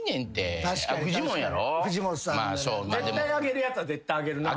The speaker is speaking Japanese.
絶対あげるやつは絶対あげるなぁ。